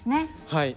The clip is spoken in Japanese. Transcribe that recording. はい。